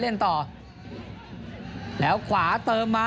ส่วนที่สุดท้ายส่วนที่สุดท้าย